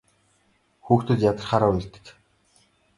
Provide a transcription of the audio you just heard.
Хүүхдүүд ядрахлаараа уйлдаг.